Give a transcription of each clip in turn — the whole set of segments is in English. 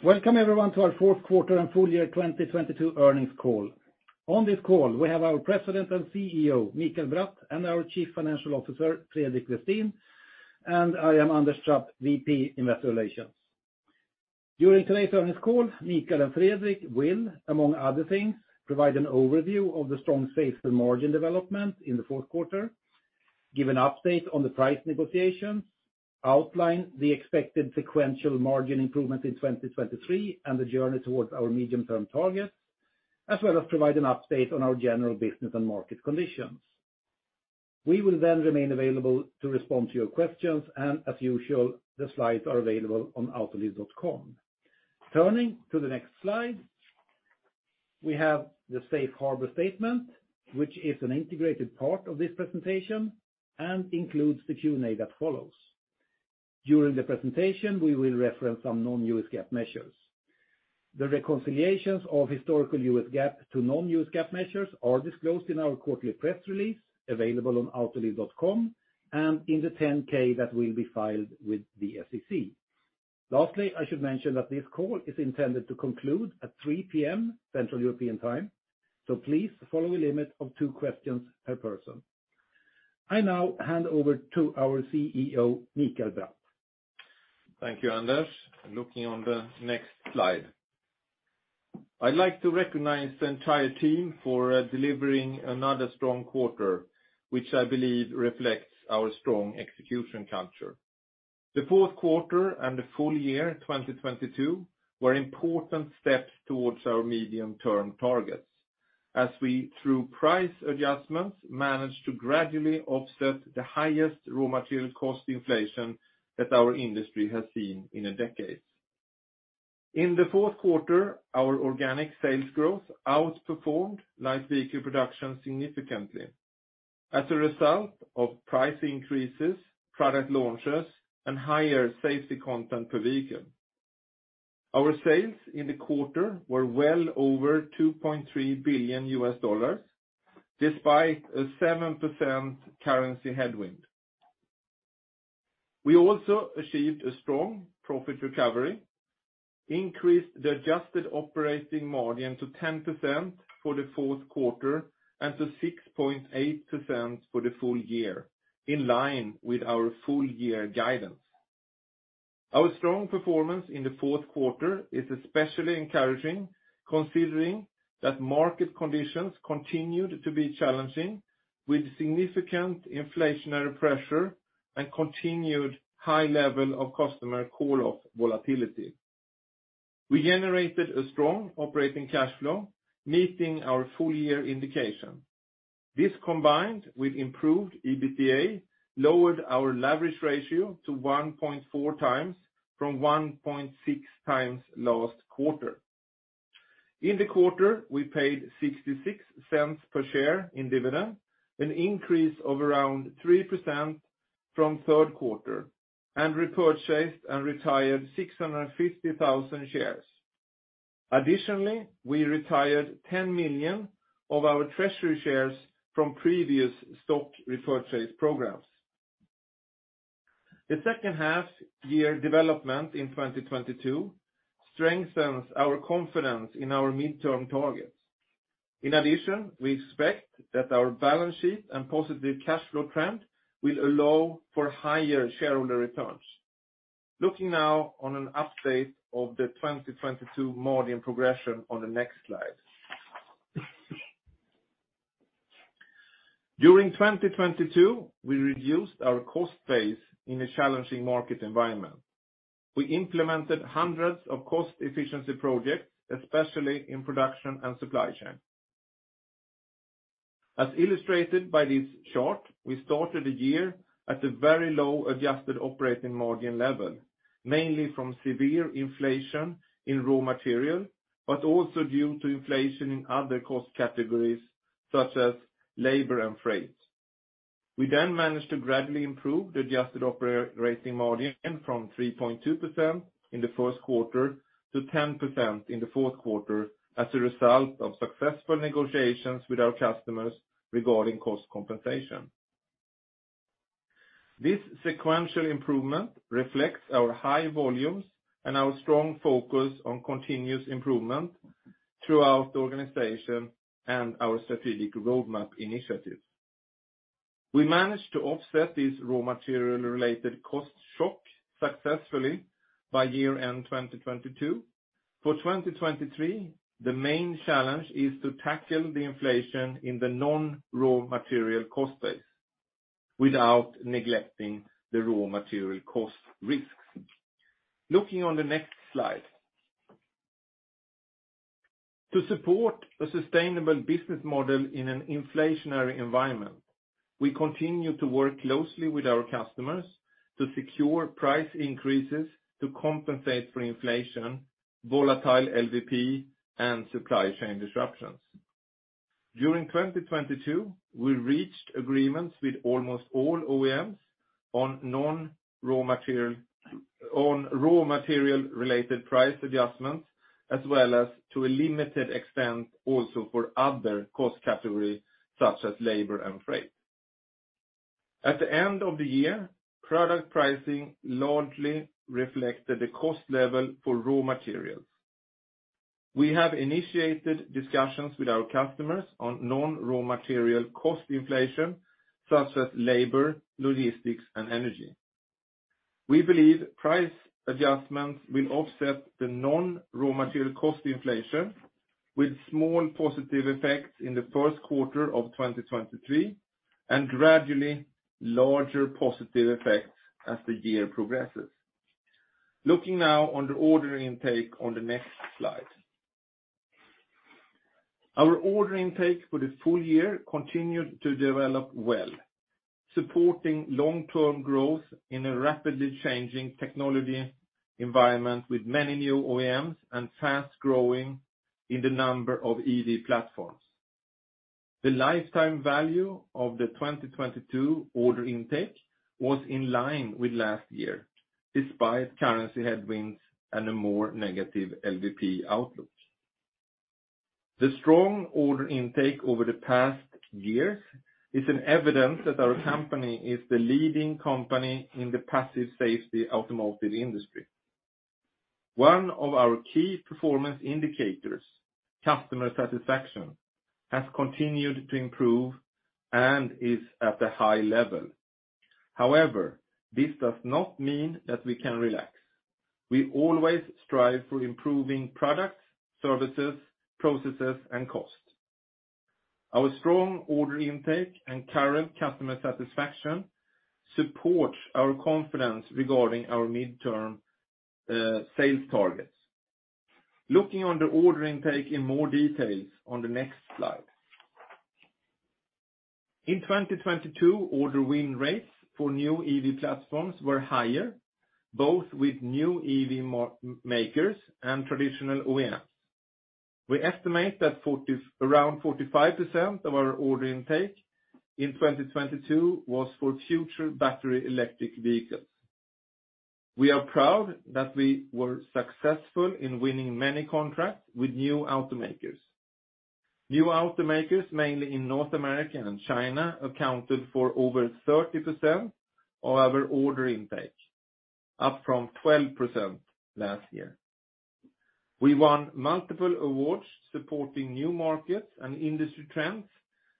Welcome everyone to our fourth quarter and full year 2022 earnings call. On this call, we have our President and CEO, Mikael Bratt, and our Chief Financial Officer, Fredrik Westin, and I am Anders Trapp, VP, Investor Relations. During today's earnings call, Mikael and Fredrik will, among other things, provide an overview of the strong sales and margin development in the fourth quarter, give an update on the price negotiations, outline the expected sequential margin improvement in 2023 and the journey towards our medium-term targets, as well as provide an update on our general business and market conditions. We will then remain available to respond to your questions, and as usual, the slides are available on autoliv.com. Turning to the next slide, we have the safe harbor statement, which is an integrated part of this presentation and includes the Q&A that follows. During the presentation, we will reference some non-U.S. GAAP measures. The reconciliations of historical U.S. GAAP to non-U.S. GAAP measures are disclosed in our quarterly press release available on Autoliv.com and in the 10-K that will be filed with the SEC. Lastly, I should mention that this call is intended to conclude at 3:00 P.M. Central European Time, please follow a limit of two questions per person. I now hand over to our CEO, Mikael Bratt. Thank you, Anders. Looking on the next slide. I'd like to recognize the entire team for delivering another strong quarter, which I believe reflects our strong execution culture. The fourth quarter and the full year 2022 were important steps towards our medium-term targets as we, through price adjustments, managed to gradually offset the highest raw material cost inflation that our industry has seen in a decade. In the fourth quarter, our organic sales growth outperformed light vehicle production significantly as a result of price increases, product launches, and higher safety content per vehicle. Our sales in the quarter were well over $2.3 billion, despite a 7% currency headwind. We also achieved a strong profit recovery, increased the adjusted operating margin to 10% for the fourth quarter and to 6.8% for the full year, in line with our full year guidance. Our strong performance in the fourth quarter is especially encouraging considering that market conditions continued to be challenging with significant inflationary pressure and continued high level of customer call-off volatility. We generated a strong operating cash flow, meeting our full year indication. This combined with improved EBITDA, lowered our leverage ratio to 1.4x from 1.6x last quarter. In the quarter, we paid $0.66 per share in dividend, an increase of around 3% from third quarter, and repurchased and retired 650,000 shares. Additionally, we retired $10 million of our treasury shares from previous stock repurchase programs. The second half year development in 2022 strengthens our confidence in our midterm targets. We expect that our balance sheet and positive cash flow trend will allow for higher shareholder returns. Looking now on an update of the 2022 margin progression on the next slide. During 2022, we reduced our cost base in a challenging market environment. We implemented hundreds of cost efficiency projects, especially in production and supply chain. As illustrated by this chart, we started the year at a very low adjusted operating margin level, mainly from severe inflation in raw material, also due to inflation in other cost categories such as labor and freight. We managed to gradually improve the adjusted operating margin from 3.2% in the first quarter to 10% in the fourth quarter as a result of successful negotiations with our customers regarding cost compensation. This sequential improvement reflects our high volumes and our strong focus on continuous improvement throughout the organization and our strategic roadmap initiative. We managed to offset this raw material related cost shock successfully by year end, 2022. 2023, the main challenge is to tackle the inflation in the non-raw material cost base without neglecting the raw material cost risks. Looking on the next slide. To support a sustainable business model in an inflationary environment, we continue to work closely with our customers to secure price increases to compensate for inflation, volatile LVP, and supply chain disruptions. During 2022, we reached agreements with almost all OEMs on raw material related price adjustments, as well as to a limited extent also for other cost categories such as labor and freight. At the end of the year, product pricing largely reflected the cost level for raw materials. We have initiated discussions with our customers on non-raw material cost inflation such as labor, logistics, and energy. We believe price adjustments will offset the non-raw material cost inflation with small positive effects in the first quarter of 2023, gradually larger positive effects as the year progresses. Looking now on the order intake on the next slide. Our order intake for the full year continued to develop well, supporting long-term growth in a rapidly changing technology environment with many new OEMs and fast-growing in the number of EV platforms. The lifetime value of the 2022 order intake was in line with last year, despite currency headwinds and a more negative LVP outlook. The strong order intake over the past years is an evidence that our company is the leading company in the passive safety automotive industry. One of our key performance indicators, customer satisfaction, has continued to improve and is at a high level. However, this does not mean that we can relax. We always strive for improving products, services, processes, and costs. Our strong order intake and current customer satisfaction supports our confidence regarding our midterm sales targets. Looking on the order intake in more details on the next slide. In 2022, order win rates for new EV platforms were higher, both with new EV makers and traditional OEMs. We estimate that around 45% of our order intake in 2022 was for future battery electric vehicles. We are proud that we were successful in winning many contracts with new automakers. New automakers, mainly in North America and China, accounted for over 30% of our order intake, up from 12% last year. We won multiple awards supporting new markets and industry trends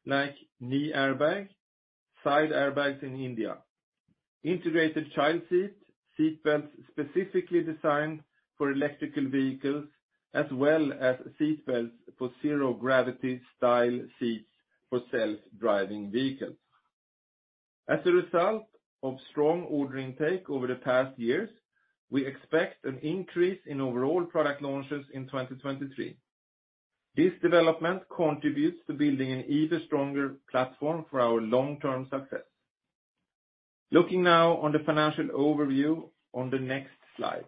like knee airbag, side airbags in India, integrated child seat belts specifically designed for electrical vehicles, as well as seat belts for zero-gravity style seats for self-driving vehicles. As a result of strong order intake over the past years, we expect an increase in overall product launches in 2023. This development contributes to building an even stronger platform for our long-term success. Looking now on the financial overview on the next slide.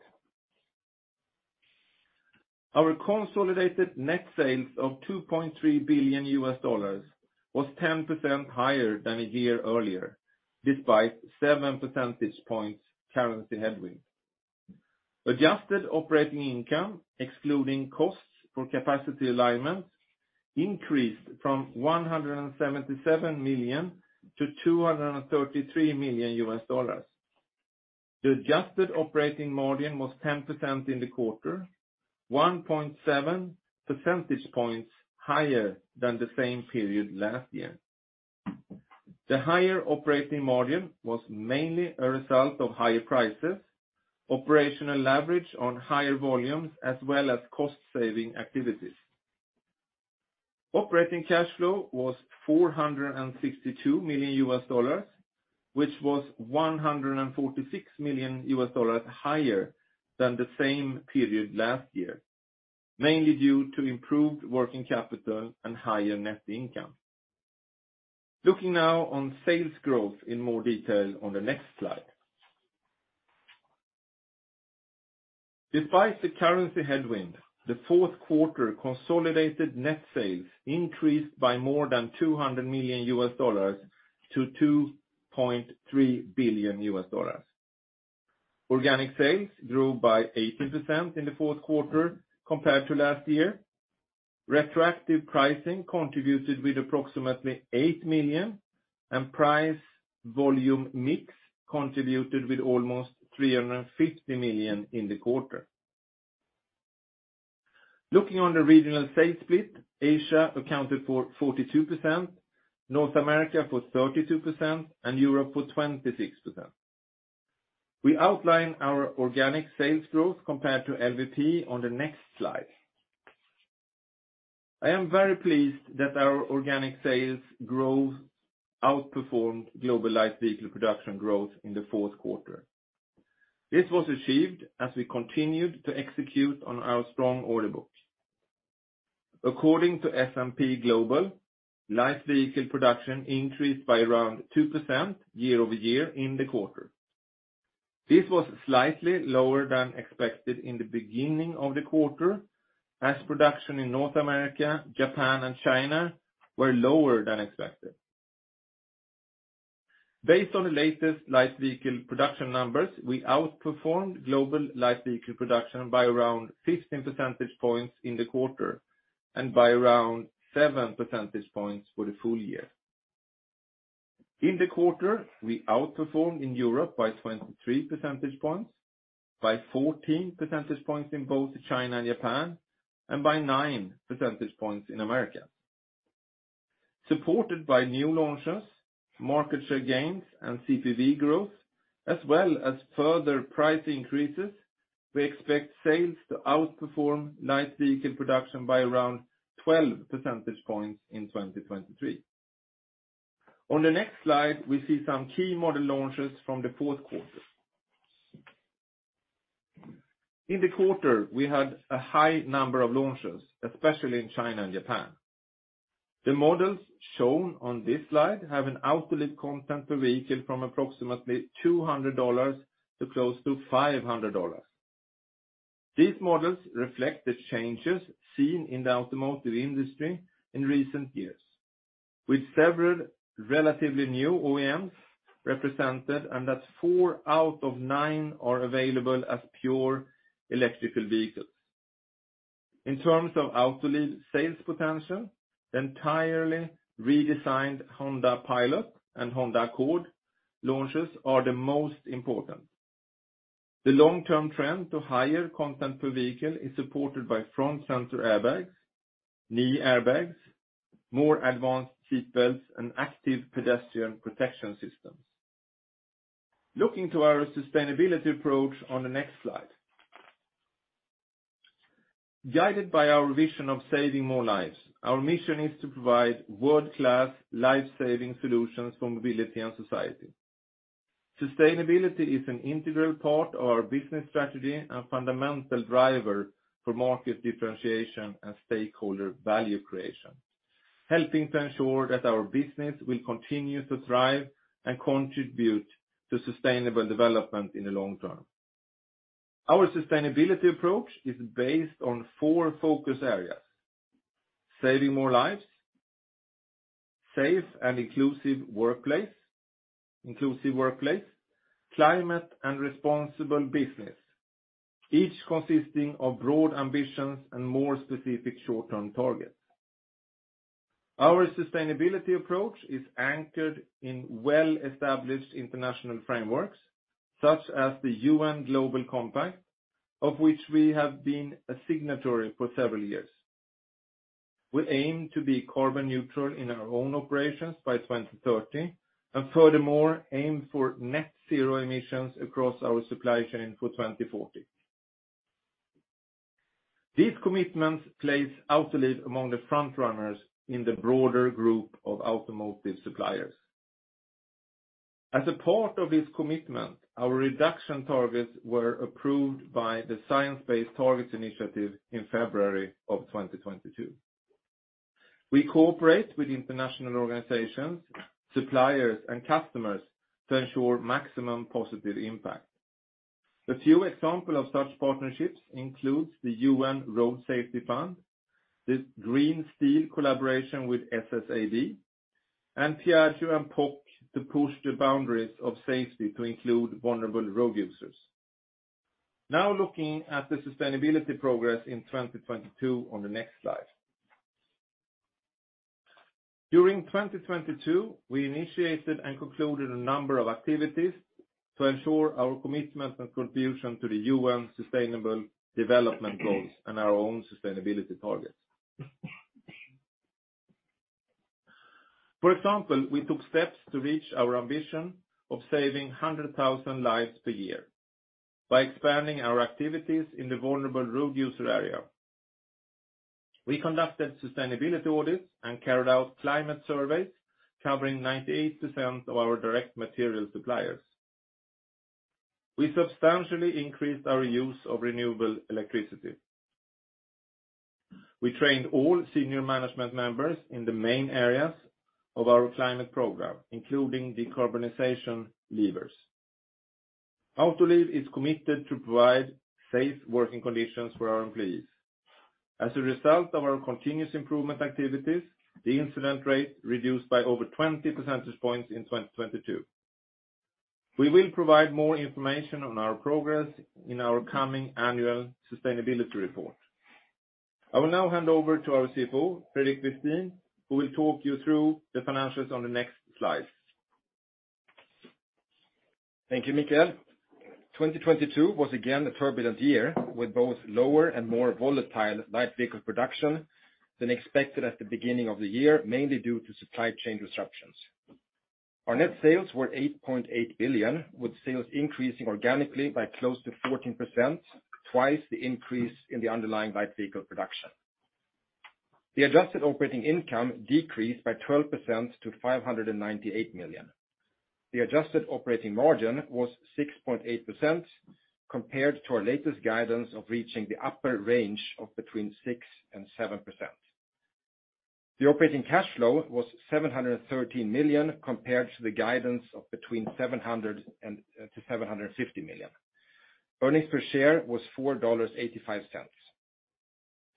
Our consolidated net sales of $2.3 billion was 10% higher than a year earlier, despite seven percentage points currency headwind. Adjusted operating income, excluding costs for capacity alignment, increased from $177 million to $233 million. The adjusted operating margin was 10% in the quarter, 1.7 percentage points higher than the same period last year. The higher operating margin was mainly a result of higher prices, operational leverage on higher volumes, as well as cost saving activities. Operating cash flow was $462 million, which was $146 million higher than the same period last year, mainly due to improved working capital and higher net income. Looking now on sales growth in more detail on the next slide. Despite the currency headwind, the fourth quarter consolidated net sales increased by more than $200 million-$2.3 billion. Organic sales grew by 18% in the fourth quarter compared to last year. Retroactive pricing contributed with approximately $8 million, and price volume mix contributed with almost $350 million in the quarter. Looking on the regional sales split, Asia accounted for 42%, North America for 32%, and Europe for 26%. We outline our organic sales growth compared to LVP on the next slide. I am very pleased that our organic sales growth outperformed global light vehicle production growth in the fourth quarter. This was achieved as we continued to execute on our strong order book. According to S&P Global, light vehicle production increased by around 2% year-over-year in the quarter. This was slightly lower than expected in the beginning of the quarter as production in North America, Japan, and China were lower than expected. Based on the latest light vehicle production numbers, we outperformed global light vehicle production by around 15 percentage points in the quarter. By around 7 percentage points for the full year. In the quarter, we outperformed in Europe by 23 percentage points, by 14 percentage points in both China and Japan, and by nine percentage points in America. Supported by new launches, market share gains, and CPV growth, as well as further price increases, we expect sales to outperform light vehicle production by around 12 percentage points in 2023. On the next slide, we see some key model launches from the fourth quarter. In the quarter, we had a high number of launches, especially in China and Japan. The models shown on this slide have an Autoliv content per vehicle from approximately $200 to close to $500. These models reflect the changes seen in the automotive industry in recent years. With several relatively new OEMs represented, and that four out of nine are available as pure electrical vehicles. In terms of Autoliv sales potential, the entirely redesigned Honda Pilot and Honda Accord launches are the most important. The long-term trend to higher content per vehicle is supported by front sensor airbags, knee airbags, more advanced seat belts, and active pedestrian protection systems. Looking to our sustainability approach on the next slide. Guided by our vision of saving more lives, our mission is to provide world-class life-saving solutions for mobility and society. Sustainability is an integral part of our business strategy and fundamental driver for market differentiation and stakeholder value creation, helping to ensure that our business will continue to thrive and contribute to sustainable development in the long term. Our sustainability approach is based on four focus areas: saving more lives, safe and inclusive workplace, climate and responsible business, each consisting of broad ambitions and more specific short-term targets. Our sustainability approach is anchored in well-established international frameworks, such as the UN Global Compact, of which we have been a signatory for several years. We aim to be carbon neutral in our own operations by 2030, and furthermore, aim for net zero emissions across our supply chain for 2040. These commitments place Autoliv among the front runners in the broader group of automotive suppliers. As a part of this commitment, our reduction targets were approved by the Science Based Targets initiative in February of 2022. We cooperate with international organizations, suppliers, and customers to ensure maximum positive impact. A few example of such partnerships includes the UN Road Safety Fund, the Green Steel collaboration with SSAB, and Piaggio and POC to push the boundaries of safety to include vulnerable road users. Looking at the sustainability progress in 2022 on the next slide. During 2022, we initiated and concluded a number of activities to ensure our commitment and contribution to the UN Sustainable Development Goals and our own sustainability targets. For example, we took steps to reach our ambition of saving 100,000 lives per year by expanding our activities in the vulnerable road user area. We conducted sustainability audits and carried out climate surveys covering 98% of our direct material suppliers. We substantially increased our use of renewable electricity. We trained all senior management members in the main areas of our climate program, including decarbonization levers. Autoliv is committed to provide safe working conditions for our employees. As a result of our continuous improvement activities, the incident rate reduced by over 20 percentage points in 2022. We will provide more information on our progress in our coming annual sustainability report. I will now hand over to our CFO, Fredrik Westin, who will talk you through the financials on the next slides. Thank you, Mikael. 2022 was again a turbulent year with both lower and more volatile light vehicle production than expected at the beginning of the year, mainly due to supply chain disruptions. Our net sales were $8.8 billion, with sales increasing organically by close to 14%, twice the increase in the underlying light vehicle production. The adjusted operating income decreased by 12% to $598 million. The adjusted operating margin was 6.8% compared to our latest guidance of reaching the upper range of between 6% and 7%. The operating cash flow was $713 million compared to the guidance of between $700 million and $750 million. Earnings per share was $4.85.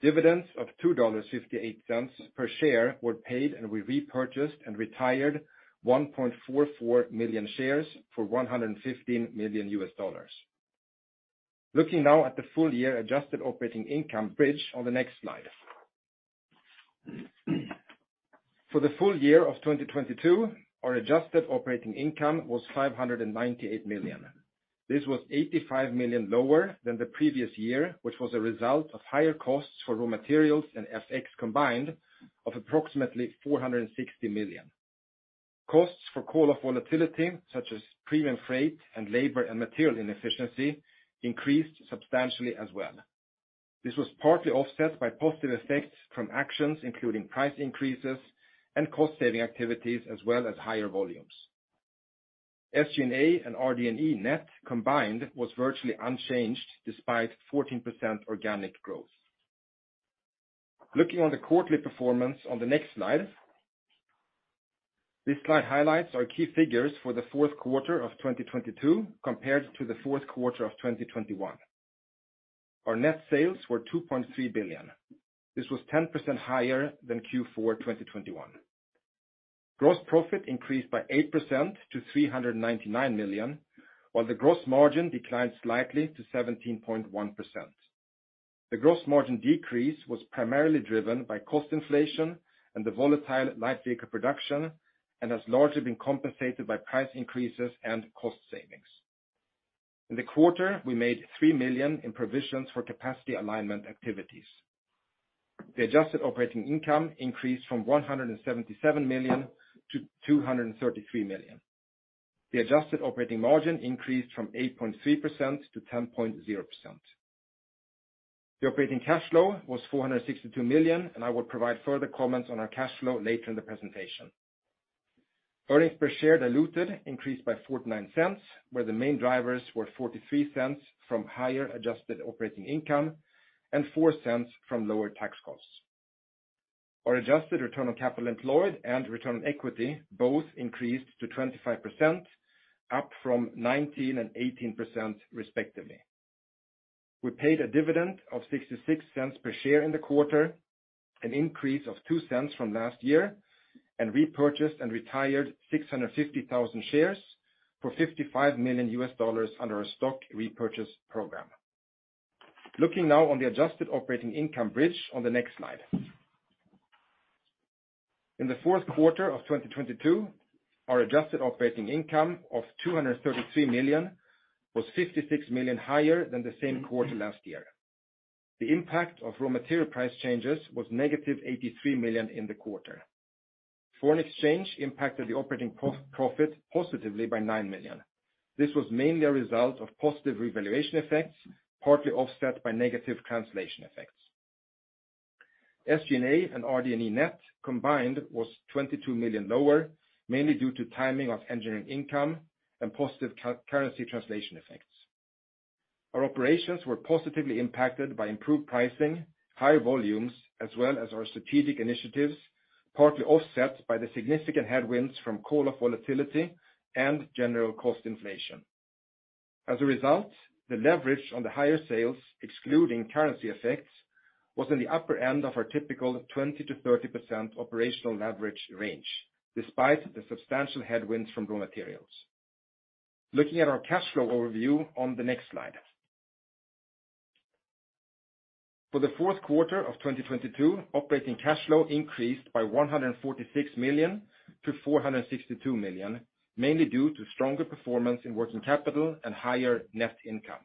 Dividends of $2.58 per share were paid, and we repurchased retired 1.44 million shares for $115 million. Looking now at the full year adjusted operating income bridge on the next slide. For the full year of 2022, our adjusted operating income was $598 million. This was $85 million lower than the previous year, which was a result of higher costs for raw materials and FX combined of approximately $460 million. Costs for call off volatility, such as premium freight and labor and material inefficiency, increased substantially as well. This was partly offset by positive effects from actions including price increases and cost saving activities, as well as higher volumes. SG&A and RD&E net combined was virtually unchanged despite 14% organic growth. Looking on the quarterly performance on the next slide. This slide highlights our key figures for the fourth quarter of 2022 compared to the fourth quarter of 2021. Our net sales were $2.3 billion. This was 10% higher than Q4 2021. Gross profit increased by 8% to $399 million, while the gross margin declined slightly to 17.1%. The gross margin decrease was primarily driven by cost inflation and the volatile light vehicle production, and has largely been compensated by price increases and cost savings. In the quarter, we made $3 million in provisions for capacity alignment activities. The adjusted operating income increased from $177 million-$233 million. The adjusted operating margin increased from 8.3%-10.0%. The operating cash flow was $462 million, and I will provide further comments on our cash flow later in the presentation. Earnings per share diluted increased by $0.49, where the main drivers were $0.43 from higher adjusted operating income and $0.04 from lower tax costs. Our adjusted return on capital employed and return on equity both increased to 25%, up from 19% and 18% respectively. We paid a dividend of $0.66 per share in the quarter, an increase of $0.02 from last year, and repurchased and retired 650,000 shares for $55 million under our stock repurchase program. Looking now on the adjusted operating income bridge on the next slide. In the fourth quarter of 2022, our adjusted operating income of $233 million was $56 million higher than the same quarter last year. The impact of raw material price changes was negative $83 million in the quarter. Foreign exchange impacted the operating profit positively by $9 million. This was mainly a result of positive revaluation effects, partly offset by negative translation effects. SG&A and RD&E net combined was $22 million lower, mainly due to timing of engineering income and positive currency translation effects. Our operations were positively impacted by improved pricing, higher volumes, as well as our strategic initiatives, partly offset by the significant headwinds from call off volatility and general cost inflation. As a result, the leverage on the higher sales, excluding currency effects, was in the upper end of our typical 20%-30% operational leverage range, despite the substantial headwinds from raw materials. Looking at our cash flow overview on the next slide. For the fourth quarter of 2022, operating cash flow increased by $146 million-$462 million, mainly due to stronger performance in working capital and higher net income.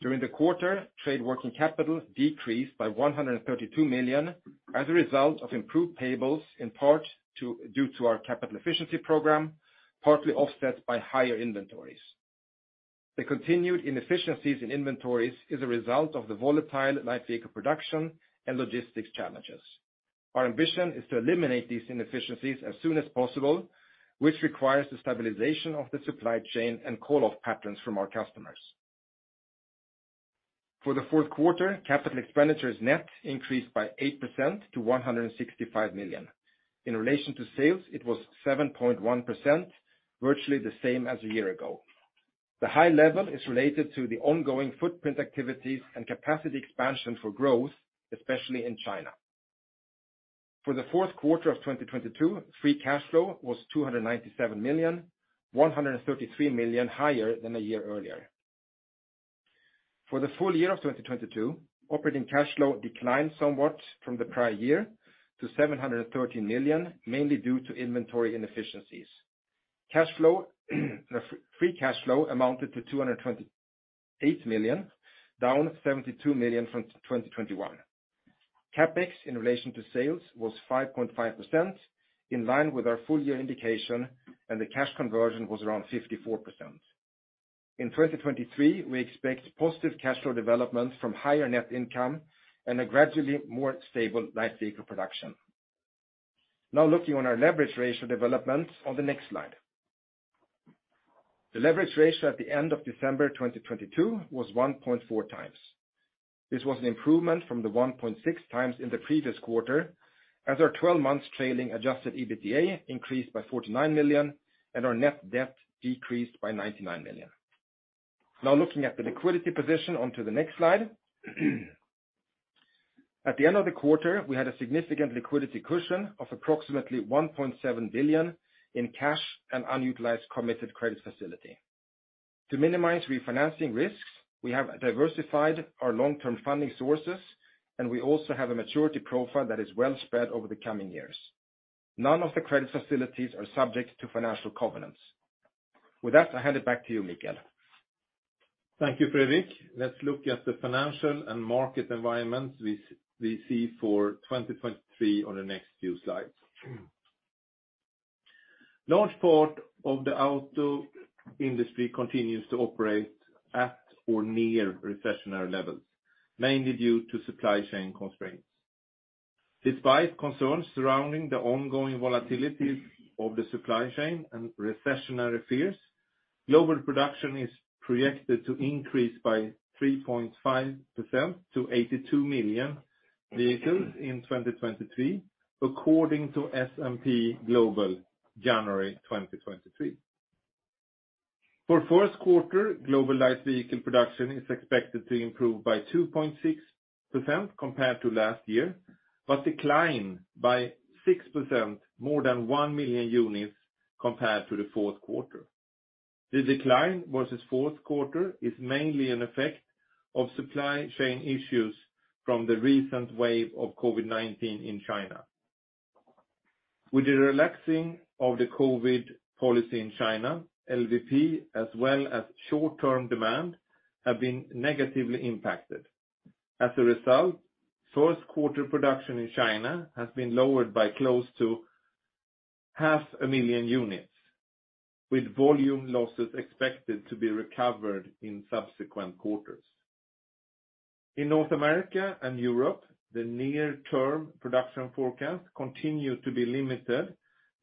During the quarter, trade working capital decreased by $132 million as a result of improved payables, in part due to our capital efficiency program, partly offset by higher inventories. The continued inefficiencies in inventories is a result of the volatile light vehicle production and logistics challenges. Our ambition is to eliminate these inefficiencies as soon as possible, which requires the stabilization of the supply chain and call off patterns from our customers. For the fourth quarter, capital expenditures net increased by 8% to $165 million. In relation to sales, it was 7.1%, virtually the same as a year ago. The high level is related to the ongoing footprint activities and capacity expansion for growth, especially in China. For the fourth quarter of 2022, free cash flow was $297 million, $133 million higher than a year earlier. For the full year of 2022, operating cash flow declined somewhat from the prior year to $713 million, mainly due to inventory inefficiencies. Cash flow free cash flow amounted to $228 million, down $72 million from 2021. CapEx in relation to sales was 5.5%, in line with our full year indication. The cash conversion was around 54%. In 2023, we expect positive cash flow development from higher net income and a gradually more stable light vehicle production. Looking on our leverage ratio development on the next slide. The leverage ratio at the end of December 2022 was 1.4x. This was an improvement from the 1.6x in the previous quarter, as our 12 months trailing adjusted EBITDA increased by $49 million and our net debt decreased by $99 million. Looking at the liquidity position onto the next slide. At the end of the quarter, we had a significant liquidity cushion of approximately $1.7 billion in cash and unutilized committed credit facility. To minimize refinancing risks, we have diversified our long-term funding sources, and we also have a maturity profile that is well spread over the coming years. None of the credit facilities are subject to financial covenants. With that, I'll hand it back to you, Mikael. Thank you, Fredrik. Let's look at the financial and market environments we see for 2023 on the next few slides. Large part of the auto industry continues to operate at or near recessionary levels, mainly due to supply chain constraints. Despite concerns surrounding the ongoing volatility of the supply chain and recessionary fears, global production is projected to increase by 3.5% to 82 million vehicles in 2023, according to S&P Global, January 2023. For first quarter, global light vehicle production is expected to improve by 2.6% compared to last year, but decline by 6%, more than 1 million units compared to the fourth quarter. The decline versus fourth quarter is mainly an effect of supply chain issues from the recent wave of COVID-19 in China. With the relaxing of the COVID policy in China, LVP, as well as short-term demand, have been negatively impacted. First quarter production in China has been lowered by close to 500,000 units, with volume losses expected to be recovered in subsequent quarters. In North America and Europe, the near-term production forecast continue to be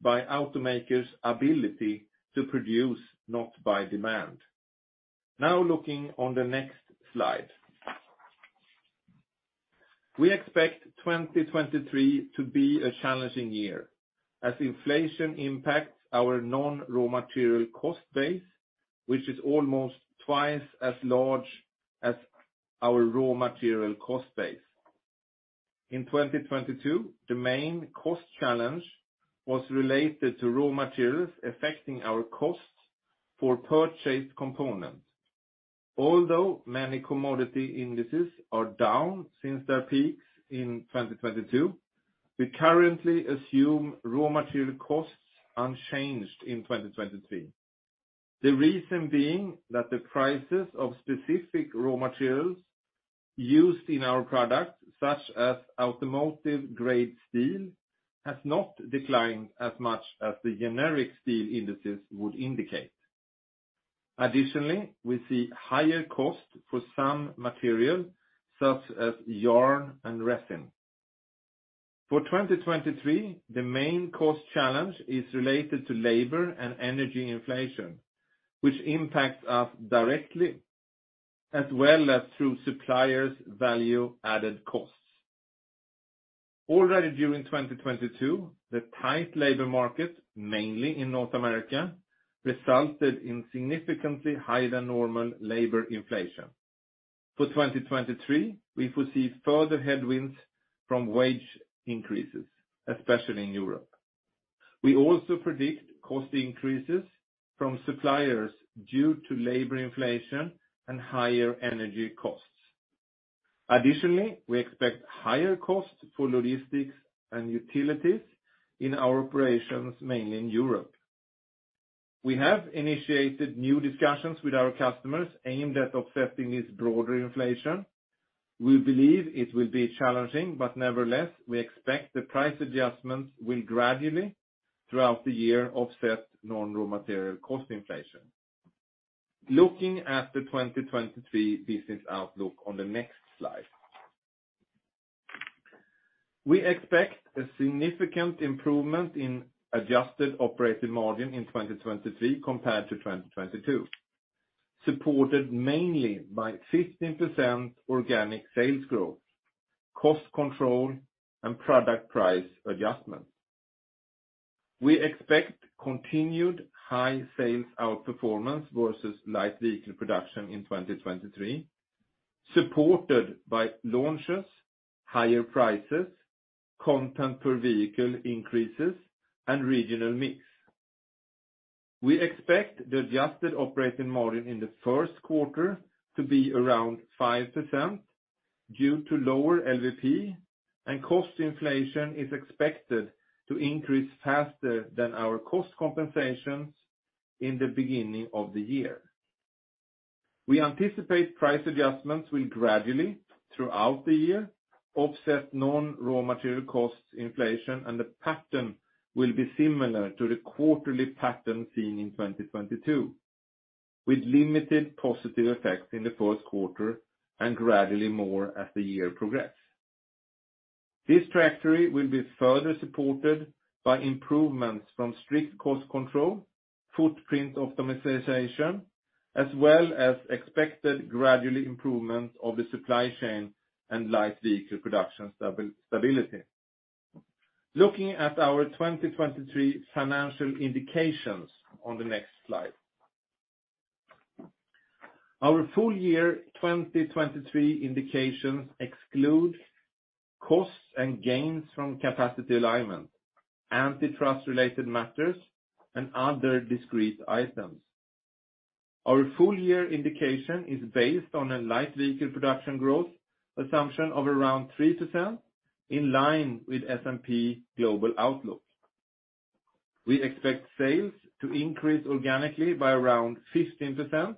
limited by automakers' ability to produce not by demand. Looking on the next slide. We expect 2023 to be a challenging year as inflation impacts our non-raw material cost base, which is almost twice as large as our raw material cost base. In 2022, the main cost challenge was related to raw materials affecting our costs for purchased components. Many commodity indices are down since their peaks in 2022, we currently assume raw material costs unchanged in 2023. The reason being that the prices of specific raw materials used in our products, such as automotive grade steel, has not declined as much as the generic steel indices would indicate. We see higher cost for some material, such as yarn and resin. For 2023, the main cost challenge is related to labor and energy inflation, which impacts us directly as well as through suppliers' value-added costs. Already during 2022, the tight labor market, mainly in North America, resulted in significantly higher than normal labor inflation. For 2023, we foresee further headwinds from wage increases, especially in Europe. We also predict cost increases from suppliers due to labor inflation and higher energy costs. We expect higher costs for logistics and utilities in our operations, mainly in Europe. We have initiated new discussions with our customers aimed at offsetting this broader inflation. We believe it will be challenging, but nevertheless, we expect the price adjustments will gradually, throughout the year, offset non-raw material cost inflation. Looking at the 2023 business outlook on the next slide. We expect a significant improvement in adjusted operating margin in 2023 compared to 2022, supported mainly by 15% organic sales growth, cost control, and product price adjustments. We expect continued high sales outperformance versus light vehicle production in 2023, supported by launches, higher prices, content per vehicle increases, and regional mix. We expect the adjusted operating margin in the first quarter to be around 5% due to lower LVP. Cost inflation is expected to increase faster than our cost compensations in the beginning of the year. We anticipate price adjustments will gradually, throughout the year, offset non-raw material costs inflation. The pattern will be similar to the quarterly pattern seen in 2022, with limited positive effects in the first quarter and gradually more as the year progresses. This trajectory will be further supported by improvements from strict cost control, footprint optimization, as well as expected gradual improvement of the supply chain and light vehicle production stability. Looking at our 2023 financial indications on the next slide. Our full year 2023 indications excludes costs and gains from capacity alignment, antitrust related matters, and other discrete items. Our full year indication is based on a light vehicle production growth assumption of around 3% in line with S&P Global outlook. We expect sales to increase organically by around 15%.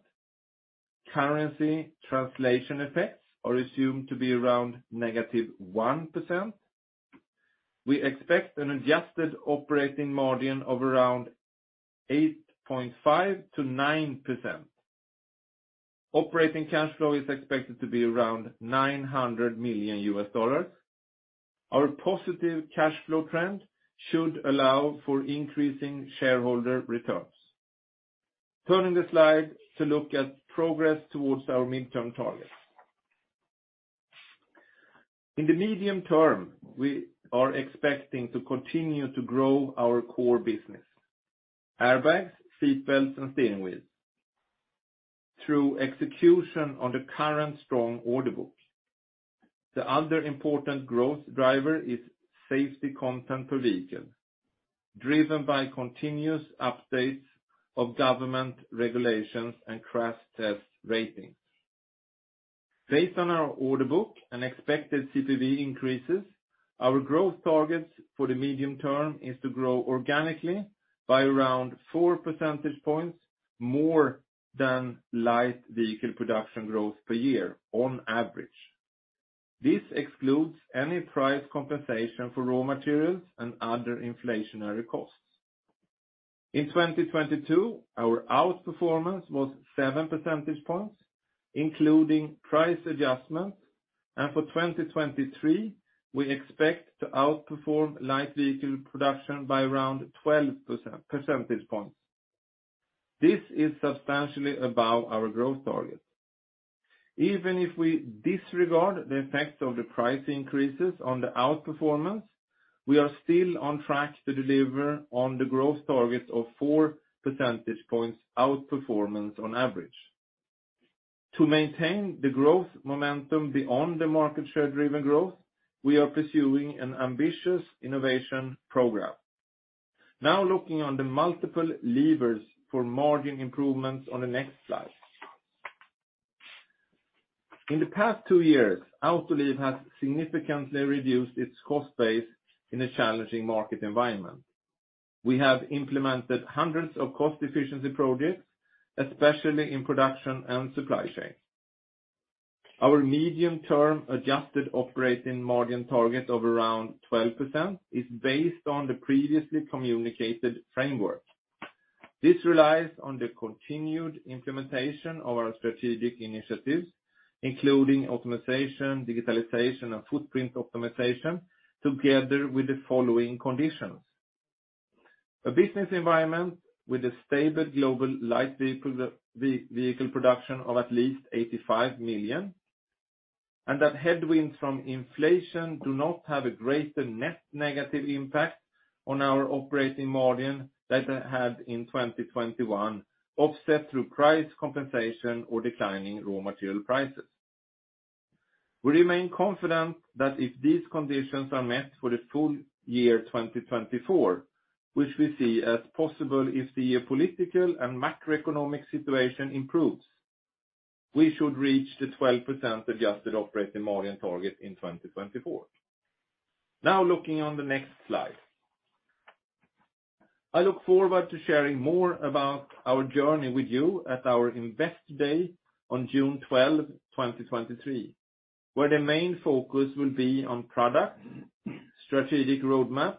Currency translation effects are assumed to be around negative 1%. We expect an adjusted operating margin of around 8.5%-9%. Operating cash flow is expected to be around $900 million. Our positive cash flow trend should allow for increasing shareholder returns. Turning the slide to look at progress towards our midterm targets. In the medium term, we are expecting to continue to grow our core business, airbags, seat belts, and steering wheels through execution on the current strong order books. The other important growth driver is safety content per vehicle, driven by continuous updates of government regulations and crash test ratings. Based on our order book and expected CPV increases, our growth targets for the medium term is to grow organically by around four percentage points, more than light vehicle production growth per year on average. This excludes any price compensation for raw materials and other inflationary costs. In 2022, our outperformance was seven percentage points, including price adjustments. For 2023, we expect to outperform light vehicle production by around 12 percentage points. This is substantially above our growth target. Even if we disregard the effects of the price increases on the outperformance, we are still on track to deliver on the growth target of four percentage points outperformance on average. To maintain the growth momentum beyond the market share driven growth, we are pursuing an ambitious innovation program. Looking on the multiple levers for margin improvements on the next slide. In the past two years, Autoliv has significantly reduced its cost base in a challenging market environment. We have implemented hundreds of cost efficiency projects, especially in production and supply chains. Our medium term adjusted operating margin target of around 12% is based on the previously communicated framework. This relies on the continued implementation of our strategic initiatives, including optimization, digitalization, and footprint optimization, together with the following conditions. A business environment with a stable global light vehicle production of at least 85 million, and that headwinds from inflation do not have a greater net negative impact on our operating margin that it had in 2021, offset through price compensation or declining raw material prices. We remain confident that if these conditions are met for the full year 2024, which we see as possible if the political and macroeconomic situation improves, we should reach the 12% adjusted operating margin target in 2024. Looking on the next slide. I look forward to sharing more about our journey with you at our Investor Day on June 12, 2023, where the main focus will be on product, strategic roadmap,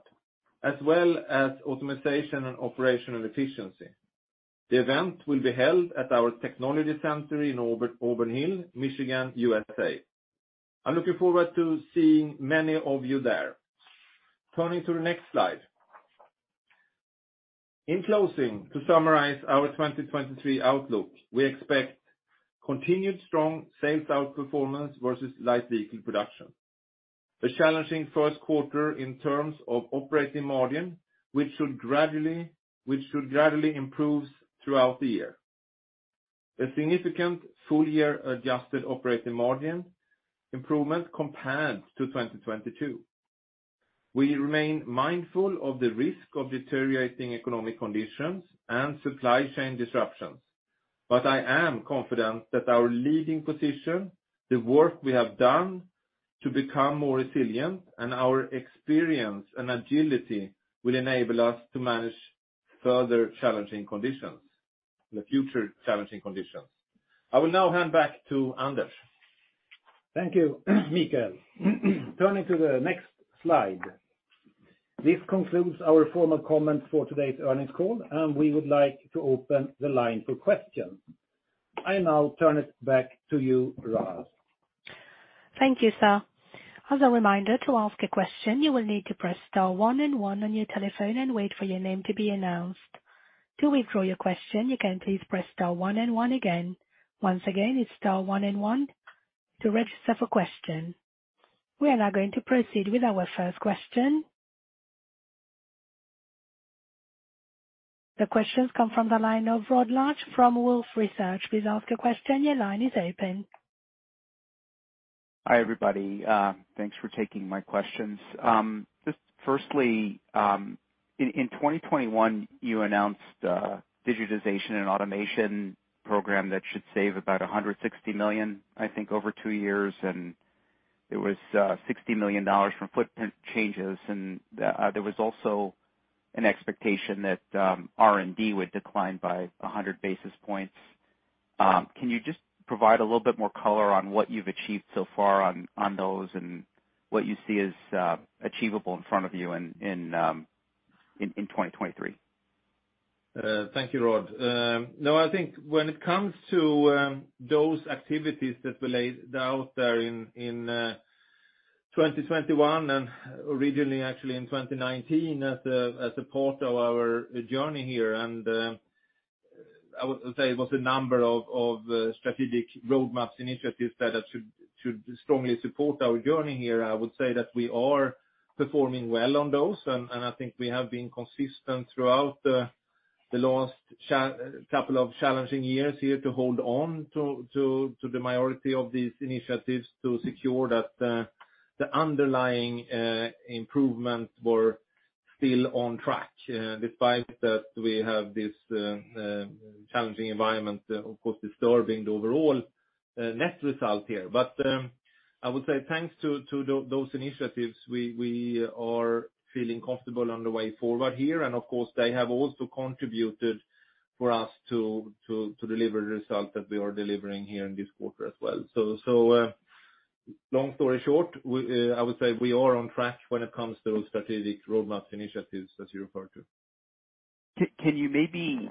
as well as optimization and operational efficiency. The event will be held at our technology center in Auburn Hills, Michigan, USA. I'm looking forward to seeing many of you there. Turning to the next slide. In closing, to summarize our 2023 outlook, we expect continued strong sales outperformance versus light vehicle production. A challenging first quarter in terms of operating margin, which should gradually improves throughout the year. A significant full year adjusted operating margin improvement compared to 2022. We remain mindful of the risk of deteriorating economic conditions and supply chain disruptions. I am confident that our leading position, the work we have done to become more resilient, and our experience and agility will enable us to manage further challenging conditions, the future challenging conditions. I will now hand back to Anders. Thank you, Mikael. Turning to the next slide. This concludes our formal comments for today's earnings call, and we would like to open the line for questions. I now turn it back to you, Raf. Thank you, sir. As a reminder, to ask a question, you will need to press star one and one on your telephone and wait for your name to be announced. To withdraw your question, you can please press star one and one again. Once again, it's star one and one to register for question. We are now going to proceed with our first question. The question's come from the line of Rod Lache from Wolfe Research. Please ask your question. Your line is open. Hi, everybody. Thanks for taking my questions. Just firstly, in 2021, you announced a digitization and automation program that should save about $160 million, I think, over two years, and it was $60 million from footprint changes, there was also an expectation that R&D would decline by 100 basis points. Can you just provide a little bit more color on what you've achieved so far on those and what you see as achievable in front of you in 2023? Thank you, Rod. No, I think when it comes to those activities that we laid out there in 2021 and originally actually in 2019 as a part of our journey here, I would say it was a number of strategic roadmaps initiatives that should strongly support our journey here. I would say that we are performing well on those, and I think we have been consistent throughout the last couple of challenging years here to hold on to the majority of these initiatives to secure that the underlying improvements were still on track, despite that we have this challenging environment, of course, disturbing the overall net result here. I would say thanks to those initiatives, we are feeling comfortable on the way forward here. Of course, they have also contributed for us to deliver results that we are delivering here in this quarter as well. Long story short, we I would say we are on track when it comes to strategic roadmap initiatives as you refer to. Can you maybe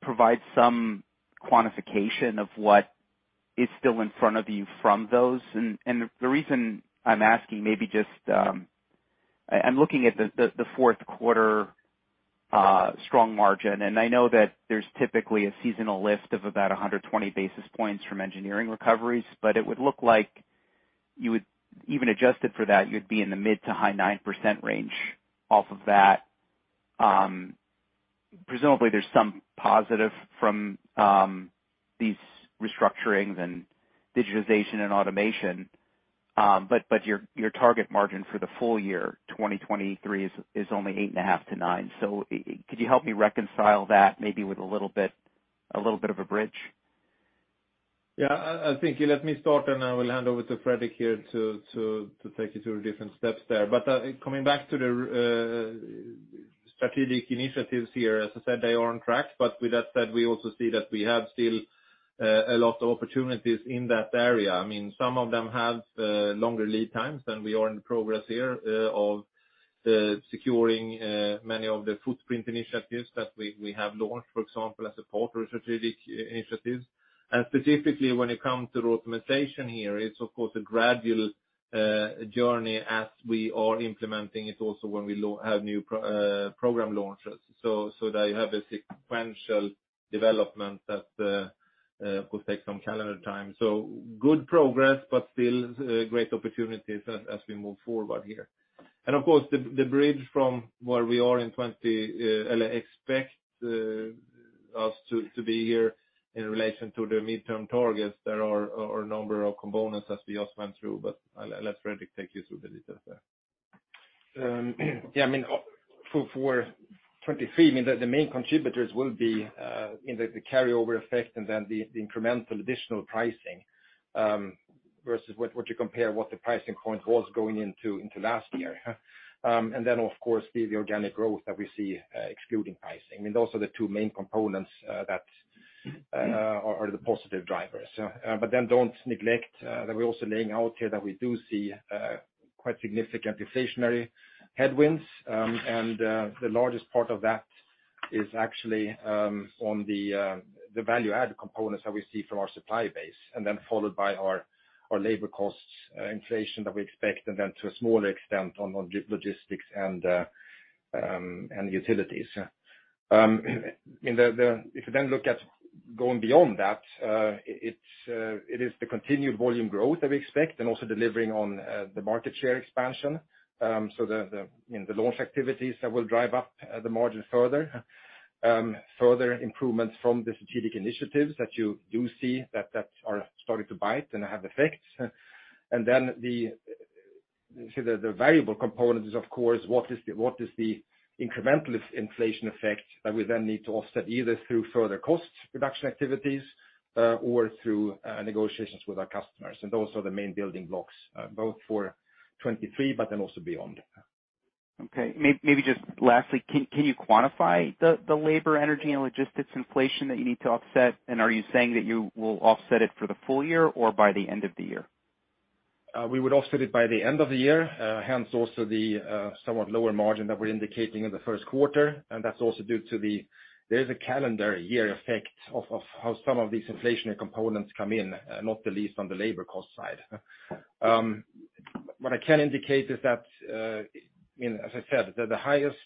provide some quantification of what is still in front of you from those? The reason I'm asking maybe just, I'm looking at the fourth quarter strong margin. I know that there's typically a seasonal lift of about 120 basis points from engineering recoveries, but it would look like you would even adjust it for that, you'd be in the mid to high 9% range off of that. Presumably there's some positive from these restructurings and digitization and automation. But your target margin for the full year, 2023 is only 8.5%-9%. Could you help me reconcile that maybe with a little bit of a bridge? I think you let me start, and I will hand over to Fredrik here to take you through different steps there. Coming back to the strategic initiatives here, as I said, they are on track. With that said, we also see that we have still a lot of opportunities in that area. I mean, some of them have longer lead times, and we are in progress here of securing many of the footprint initiatives that we have launched, for example, as a part of strategic initiatives. Specifically when it comes to optimization here, it is of course a gradual journey as we are implementing it also when we have new program launches. That you have a sequential development that could take some calendar time. Good progress, but still, great opportunities as we move forward here. Of course, the bridge from where we are in 20, expect, us to be here in relation to the midterm targets. There are a number of components as we just went through, but I'll let Fredrik take you through the details there. 2023, I mean, the main contributors will be, you know, the carryover effect and then the incremental additional pricing versus what you compare what the pricing point was going into last year. Then of course, the organic growth that we see excluding pricing. I mean, those are the two main components that are the positive drivers. But then don't neglect that we're also laying out here that we do see quite significant inflationary headwinds. And the largest part of that is actually on the value add components that we see from our supply base, and then followed by our labor costs inflation that we expect, and then to a smaller extent on logistics and utilities If you then look at going beyond that, it is the continued volume growth that we expect and also delivering on the market share expansion. The, you know, the launch activities that will drive up the margin further. Further improvements from the strategic initiatives that you do see that are starting to bite and have effects. The variable component is of course, what is the incremental inflation effect that we then need to offset either through further cost reduction activities or through negotiations with our customers. Those are the main building blocks both for 23, but then also beyond. Okay. Maybe just lastly, can you quantify the labor, energy, and logistics inflation that you need to offset? Are you saying that you will offset it for the full year or by the end of the year? We would offset it by the end of the year, hence also the somewhat lower margin that we're indicating in the first quarter. That's also due to the, there's a calendar year effect of how some of these inflationary components come in, not the least on the labor cost side. What I can indicate is that, you know, as I said, the highest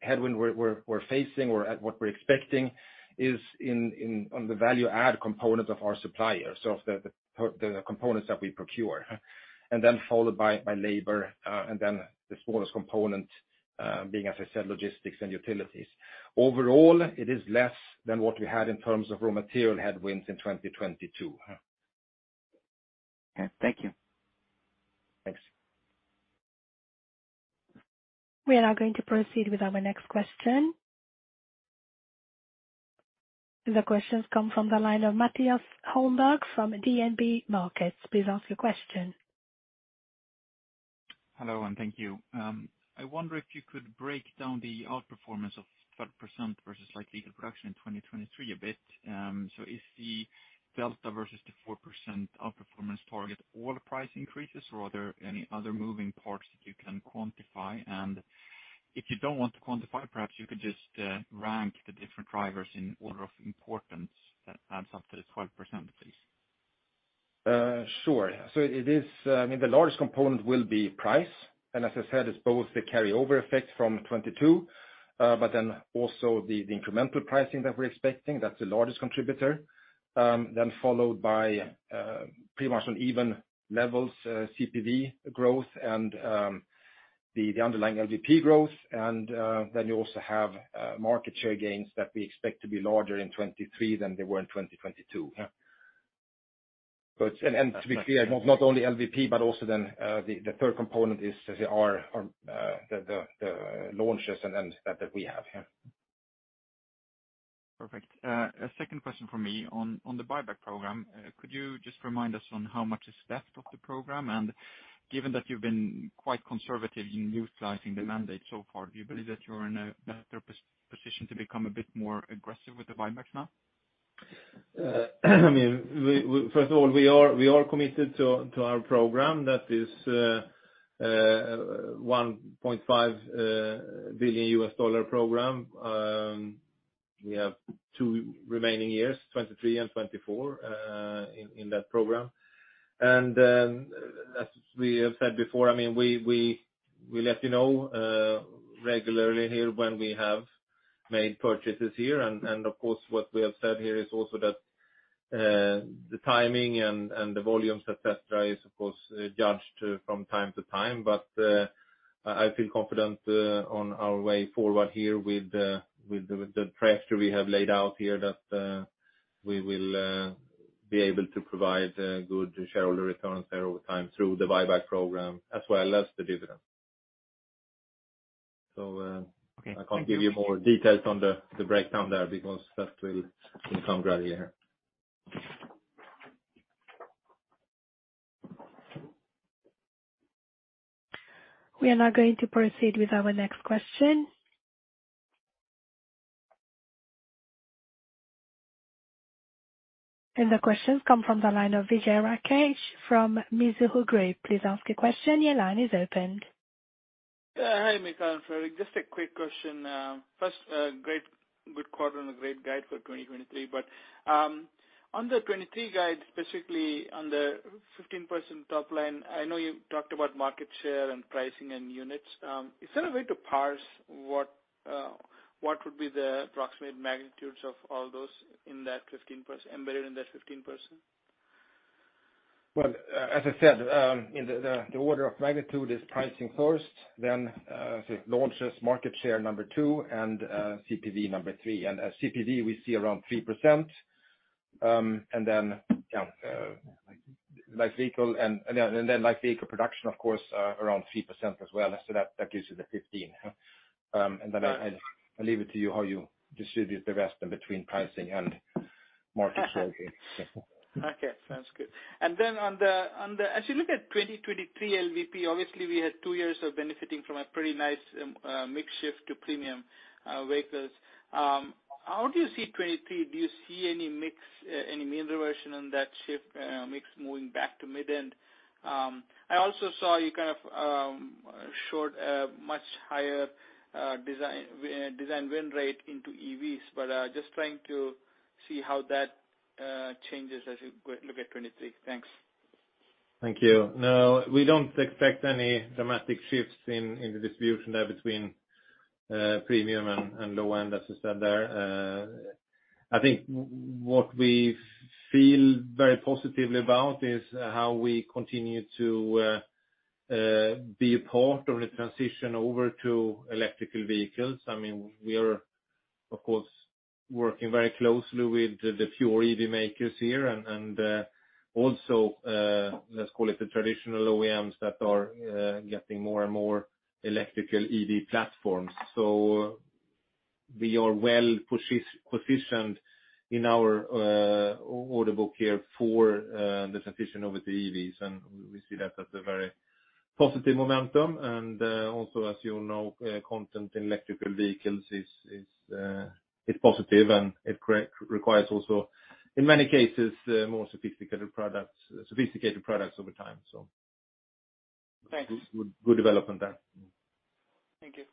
headwind we're facing or at what we're expecting is on the value add component of our suppliers, so of the components that we procure. Then followed by labor, and then the smallest component Being, as I said, logistics and utilities. Overall, it is less than what we had in terms of raw material headwinds in 2022. Okay. Thank you. Thanks. We are now going to proceed with our next question. The questions come from the line of Mattias Holmberg from DNB Markets. Please ask your question. Hello, and thank you. I wonder if you could break down the outperformance of 12% versus light vehicle production in 2023 a bit. Is the delta versus the 4% outperformance target all the price increases or are there any other moving parts that you can quantify? If you don't want to quantify, perhaps you could just rank the different drivers in order of importance that adds up to the 12%, please. Sure. I mean, the largest component will be price. As I said, it's both the carryover effect from 2022, but then also the incremental pricing that we're expecting. That's the largest contributor. Then followed by pretty much on even levels, CPV growth and the underlying LVP growth. Then you also have market share gains that we expect to be larger in 2023 than they were in 2022. To be clear, not only LVP, but also then the third component is our the launches and that we have. Yeah. Perfect. A second question from me on the buyback program. Could you just remind us on how much is left of the program? Given that you've been quite conservative in utilizing the mandate so far, do you believe that you're in a better position to become a bit more aggressive with the buyback now? I mean, First of all, we are committed to our program. That is $1.5 billion program. We have two remaining years, 2023 and 2024, in that program. As we have said before, I mean, we let you know regularly here when we have made purchases here. Of course, what we have said here is also that the timing and the volumes et cetera, is of course judged from time to time. I feel confident on our way forward here with the trajectory we have laid out here that we will be able to provide good shareholder returns there over time through the buyback program as well as the dividend. I can't give you more details on the breakdown there because that will come gradually here. We are now going to proceed with our next question. The question's come from the line of Vijay Rakesh from Mizuho Group. Please ask your question. Your line is open. Hi, Mikael and Fredrik. Just a quick question. First, good quarter and a great guide for 2023. On the 2023 guide, specifically on the 15% top line, I know you talked about market share and pricing and units. Is there a way to parse what would be the approximate magnitudes of all those in that 15% embedded in that 15%? Well, as I said, in the order of magnitude is pricing first, then, say, launches market share number 2 and CPV number three. As CPV, we see around 3%, light vehicle production, of course, around 3two as well. That gives you the 15. I'll leave it to you how you distribute the rest in between pricing and market share gains. Okay, sounds good. Then as you look at 2023 LVP, obviously we had two years of benefiting from a pretty nice mix shift to premium vehicles. How do you see 23? Do you see any mix, any mean reversion on that shift, mix moving back to mid-end? I also saw you kind of showed a much higher design design win rate into EVs, just trying to see how that changes as you look at 23. Thanks. Thank you. No, we don't expect any dramatic shifts in the distribution there between premium and low end, as you said there. I think what we feel very positively about is how we continue to be a part of the transition over to electrical vehicles. I mean, we are, of course, working very closely with the few EV makers here and also, let's call it the traditional OEMs that are getting more and more electrical EV platforms. We are well positioned in our order book here for the transition over to EVs, and we see that as a very positive momentum. Also, as you know, content in electrical vehicles is positive and it requires also, in many cases, more sophisticated products, sophisticated products over time, so. Thanks. Good, good development there. Thank you.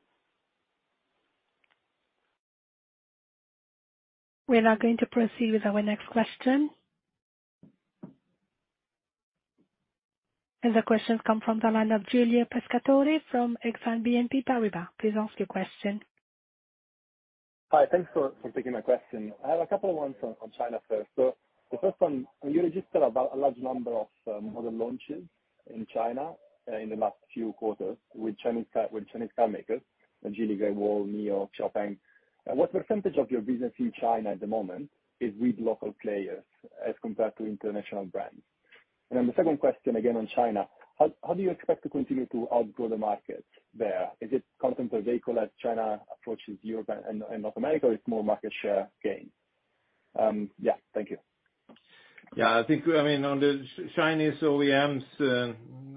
We are now going to proceed with our next question. The question's come from the line of Giulio Pescatore from Exane BNP Paribas. Please ask your question. Hi, thanks for taking my question. I have a couple of ones on China first. The first one, can you just tell about a large number of model launches in China in the last few quarters with Chinese car makers, Geely, Great Wall, NIO, Changan? What % of your business in China at the moment is with local players as compared to international brands? The second question again on China, how do you expect to continue to outgrow the market there? Is it content per vehicle as China approaches Europe and North America or it's more market share gain? Yeah. Thank you. I think, I mean, on the Chinese OEMs,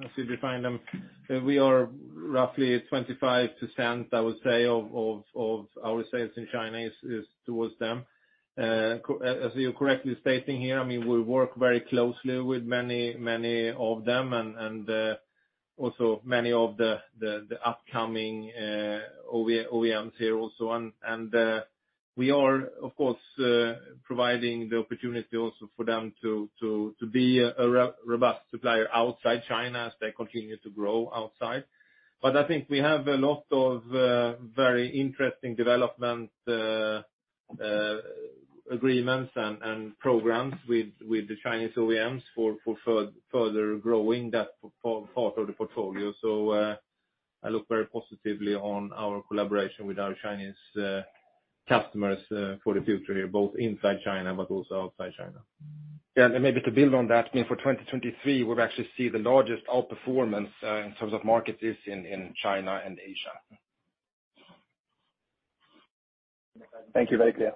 as you define them, we are roughly 25%, I would say, of our sales in China is towards them. As you're correctly stating here, I mean, we work very closely with many of them and also many of the upcoming OEMs here also. We are, of course, providing the opportunity also for them to be a robust supplier outside China as they continue to grow outside. I think we have a lot of very interesting development agreements and programs with the Chinese OEMs for further growing that part of the portfolio. I look very positively on our collaboration with our Chinese customers for the future here, both inside China but also outside China. Maybe to build on that, I mean, for 2023, we've actually seen the largest outperformance in terms of markets is in China and Asia. Thank you. Very clear.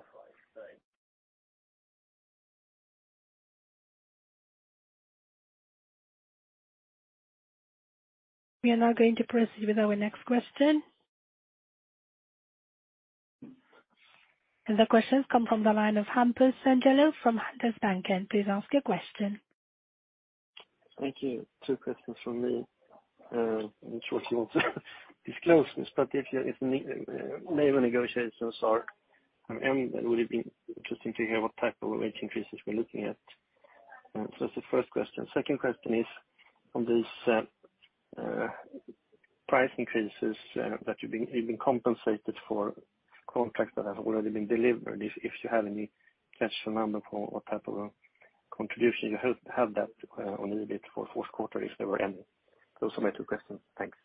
We are now going to proceed with our next question. The question's come from the line of Hampus Engellau from Handelsbanken. Please ask your question. Thank you. Two questions from me. I'm not sure if you want to disclose this, but if labor negotiations are, then it would be interesting to hear what type of wage increases we're looking at. That's the first question. Second question is on these price increases that you've been compensated for contracts that have already been delivered, if you have any actual number for what type of contribution you have that on EBIT for fourth quarter, if there were any. Those are my two questions. Thanks.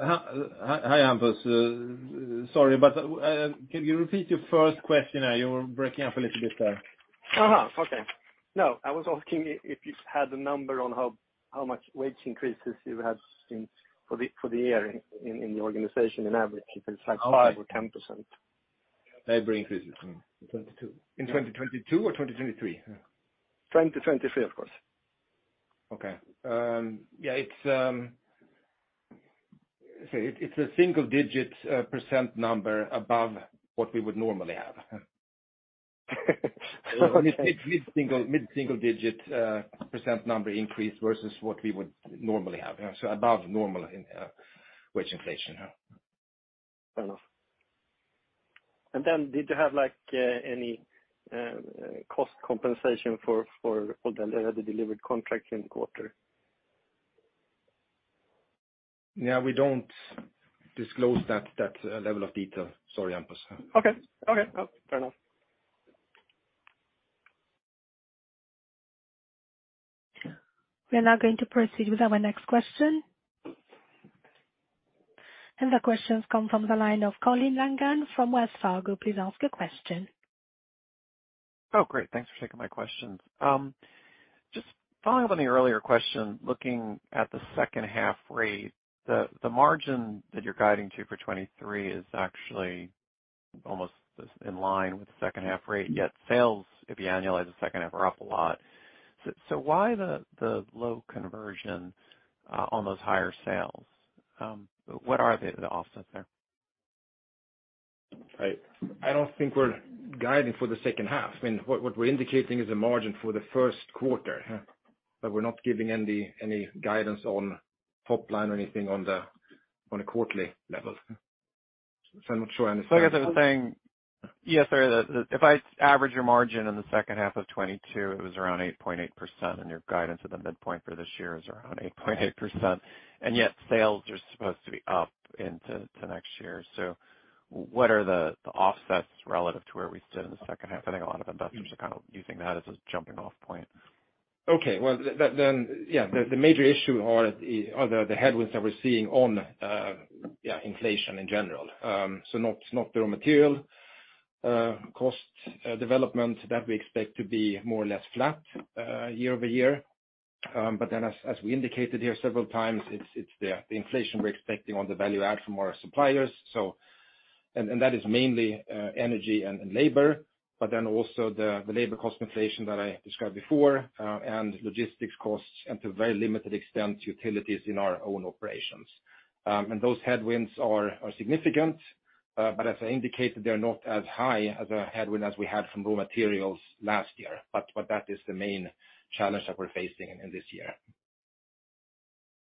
Hi, Hampus. Sorry, but can you repeat your first question? You were breaking up a little bit there. Uh-huh, okay. No, I was asking if you had a number on how much wage increases you have seen for the, for the year in the organization in average, if it's like 5% or 10%? Labor increases in 2022. In 2022 or 2023? Yeah. 2023, of course. Okay. Yeah, it's a single digit % number above what we would normally have. Okay. Mid-single digit % number increase versus what we would normally have. Yeah, above normal in wage inflation. Yeah. Fair enough. Then did you have, like, any cost compensation for all the delivered contracts in the quarter? Yeah, we don't disclose that level of detail. Sorry, Hampus. Okay. Okay. No, fair enough. We are now going to proceed with our next question. The question's come from the line of Colin Langan from Wells Fargo. Please ask your question. Oh, great. Thanks for taking my questions. Just following up on the earlier question, looking at the second half rate, the margin that you're guiding to for 2023 is actually almost in line with the second half rate, yet sales, if you annualize the second half, are up a lot. Why the low conversion on those higher sales? What are the offsets there? I don't think we're guiding for the second half. I mean, what we're indicating is a margin for the first quarter. We're not giving any guidance on top line or anything on a quarterly level. I'm not sure I understand the question. I guess what I'm saying. Yes, sorry. If I average your margin in the H2 of 2022, it was around 8.8%, and your guidance at the midpoint for this year is around 8.8%. Yet, sales are supposed to be up into next year. What are the offsets relative to where we sit in the second half? I think a lot of investors are kind of using that as a jumping off point. Okay. Well, the, then yeah, the major issue are, the headwinds that we're seeing on, yeah, inflation in general. Not raw material, cost, development. That we expect to be more or less flat, year-over-year. As we indicated here several times, it's the inflation we're expecting on the value add from our suppliers. That is mainly, energy and labor, also the labor cost inflation that I described before, and logistics costs, and to a very limited extent, utilities in our own operations. Those headwinds are significant, as I indicated, they're not as high as a headwind as we had from raw materials last year. That is the main challenge that we're facing in this year.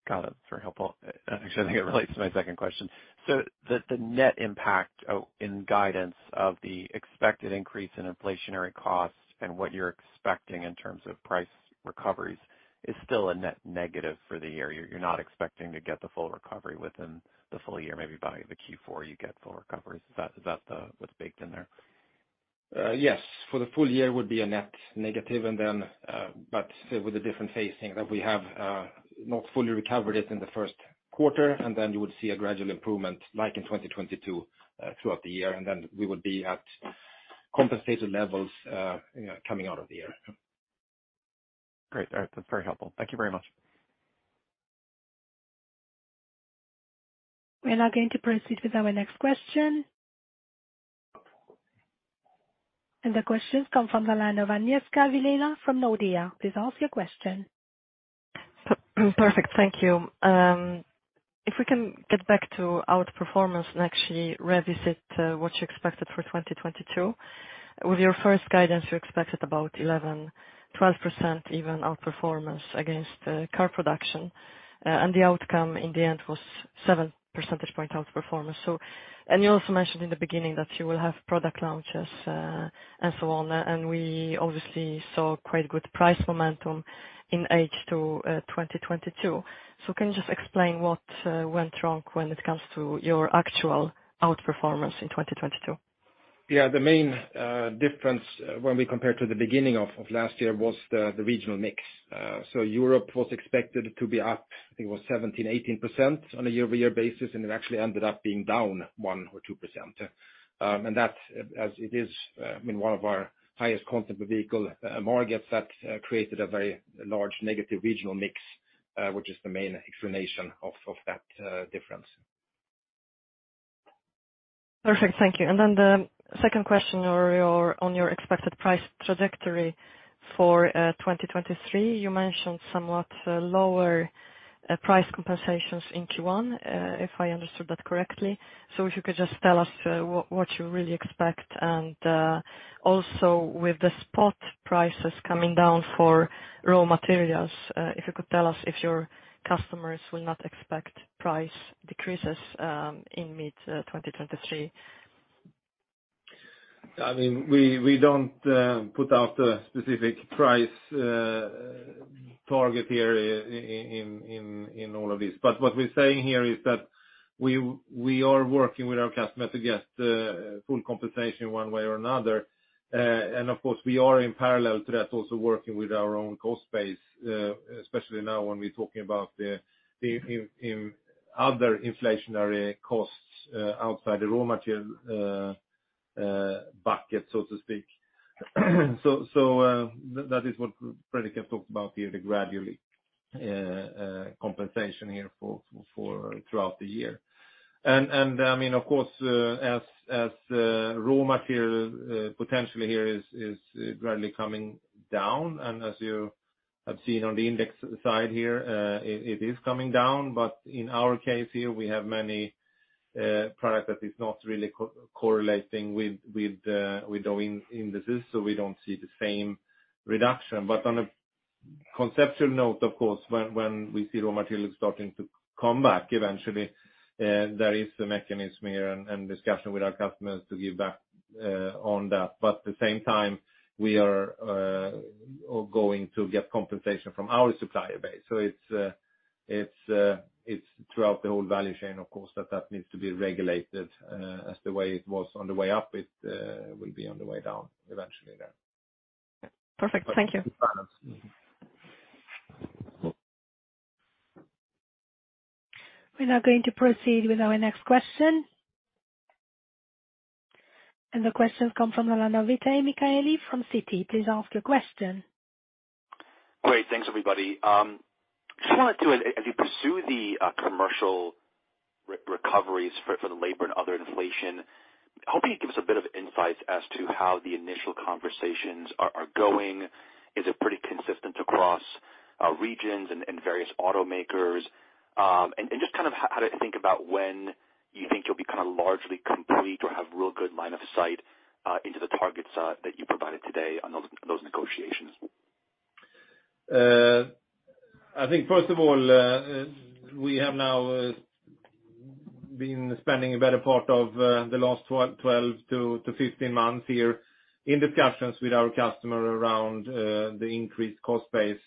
Got it. That's very helpful. Actually, I think it relates to my second question. The net impact in guidance of the expected increase in inflationary costs and what you're expecting in terms of price recoveries is still a net negative for the year. You're not expecting to get the full recovery within the full year. Maybe by the Q4 you get full recovery. Is that what's baked in there? Yes, for the full year would be a net negative and then, but with a different phasing that we have not fully recovered it in the first quarter, and then you would see a gradual improvement like in 2022 throughout the year, and then we would be at compensated levels, you know, coming out of the year. Great. That's very helpful. Thank you very much. We are now going to proceed with our next question. The question comes from the line of Agnieszka Vilela from Nordea. Please ask your question. Perfect. Thank you. If we can get back to outperformance and actually revisit what you expected for 2022. With your first guidance, you expected about 11%-12% even outperformance against car production, and the outcome in the end was seven percentage point outperformance. You also mentioned in the beginning that you will have product launches and so on. We obviously saw quite good price momentum in H2 2022. Can you just explain what went wrong when it comes to your actual outperformance in 2022? The main difference when we compare to the beginning of last year was the regional mix. Europe was expected to be up 17%-18% on a year-over-year basis, and it actually ended up being down 1% or 2%. That's, as it is, one of our highest content per vehicle markets that created a very large negative regional mix, which is the main explanation of that difference. Perfect. Thank you. The second question on your expected price trajectory for 2023. You mentioned somewhat lower price compensations in Q1 if I understood that correctly. If you could just tell us what you really expect, and also with the spot prices coming down for raw materials, if you could tell us if your customers will not expect price decreases in mid-2023? I mean, we don't put out a specific price target here in all of this. What we're saying here is that we are working with our customer to get full compensation one way or another. Of course, we are in parallel to that, also working with our own cost base, especially now when we're talking about the other inflationary costs outside the raw material bucket, so to speak. That is what Fredrik have talked about here, the gradually compensation here for throughout the year. I mean, of course, as raw material potentially here is gradually coming down, as you have seen on the index side here, it is coming down. In our case here, we have many product that is not really co-correlating with the in-indexes, so we don't see the same reduction. On a conceptual note, of course, when we see raw materials starting to come back eventually, there is a mechanism here and discussion with our customers to give back on that. At the same time, we are going to get compensation from our supplier base. It's, it's throughout the whole value chain, of course, that that needs to be regulated, as the way it was on the way up, it will be on the way down eventually there. Perfect. Thank you. Balance. We're now going to proceed with our next question. The question comes from the line of Itay Michaeli from Citi. Please ask your question. Great. Thanks, everybody. As you pursue the commercial re-recoveries for the labor and other inflation, hoping you could give us a bit of insight as to how the initial conversations are going. Is it pretty consistent across regions and various automakers? Just kind of how to think about when you think you'll be kinda largely complete or have real good line of sight into the targets that you provided today on those negotiations? I think first of all, we have now been spending a better part of the last 12-15 months here in discussions with our customer around the increased cost base,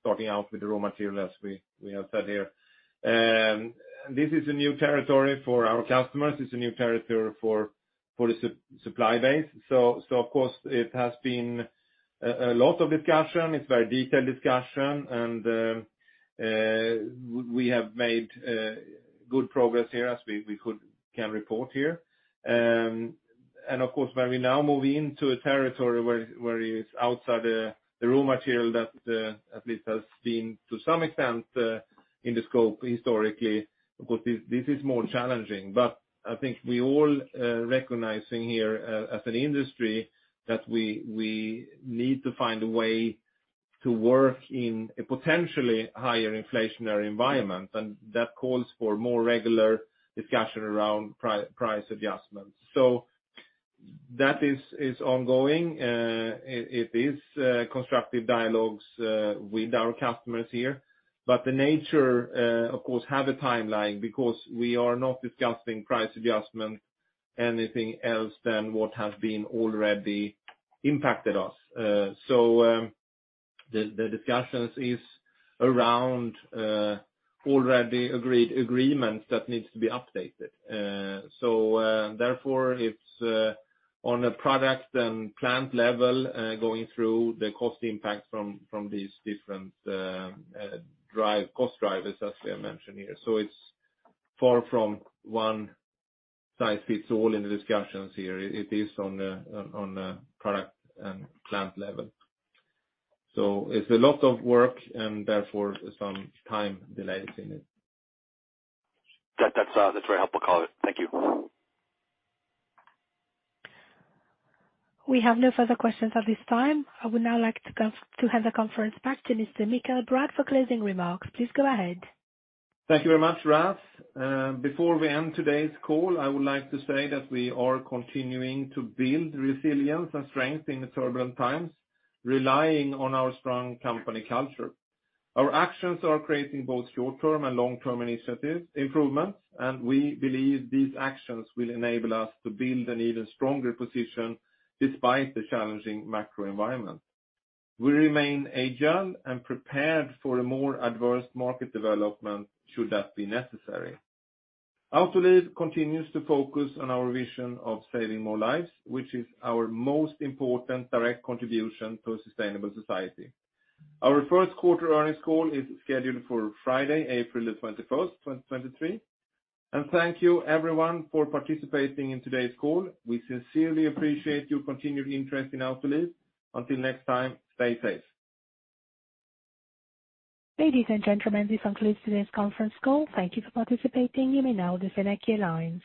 starting out with the raw material as we have said here. This is a new territory for our customers. It's a new territory for the supply base. Of course, it has been a lot of discussion. It's very detailed discussion. We have made good progress here as we can report here. Of course, when we now move into a territory where is outside the raw material that, at least has been to some extent, in the scope historically, of course, this is more challenging. I think we all recognizing here as an industry that we need to find a way to work in a potentially higher inflationary environment, and that calls for more regular discussion around price adjustments. That is ongoing. It is constructive dialogues with our customers here. The nature of course, have a timeline because we are not discussing price adjustment, anything else than what has been already impacted us. The discussions is around already agreed agreements that needs to be updated. Therefore it's on a product and plant level, going through the cost impacts from these different cost drivers as we have mentioned here. It's far from one size fits all in the discussions here. It is on a product and plant level. It's a lot of work and therefore some time delays in it. Got that. That's very helpful, Carl. Thank you. We have no further questions at this time. I would now like to hand the conference back to Mr. Mikael Bratt for closing remarks. Please go ahead. Thank you very much, Raf. Before we end today's call, I would like to say that we are continuing to build resilience and strength in turbulent times, relying on our strong company culture. Our actions are creating both short-term and long-term initiatives improvements, and we believe these actions will enable us to build an even stronger position despite the challenging macro environment. We remain agile and prepared for a more adverse market development should that be necessary. Autoliv continues to focus on our vision of saving more lives, which is our most important direct contribution to a sustainable society. Our first quarter earnings call is scheduled for Friday, April the 21st, 2023. Thank you everyone for participating in today's call. We sincerely appreciate your continued interest in Autoliv. Until next time, stay safe. Ladies and gentlemen, this concludes today's conference call. Thank you for participating. You may now disconnect your lines.